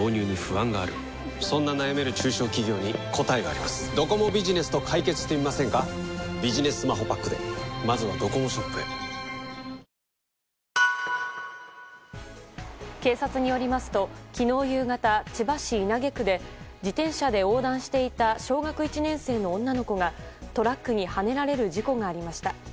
あ警察によりますと昨日夕方、千葉市稲毛区で自転車で横断していた小学１年生の女の子がトラックにはねられる事故がありました。